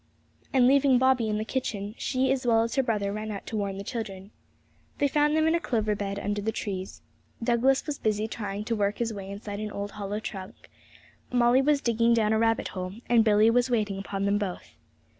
And leaving Bobby in the kitchen, she as well as her brother ran out to warn the children. They found them in a clover field under the trees: Douglas was busy trying to work his way inside an old hollow trunk; Molly was digging down a rabbit hole; and Billy was waiting upon them both.